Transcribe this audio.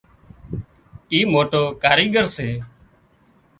اي موٽو ڪاريڳر سي